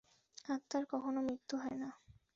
আত্মার কখনও মৃত্যু হয় না।